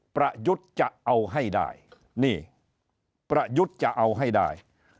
ประยุทธ์จะเอาให้ได้นี่ประยุทธ์จะเอาให้ได้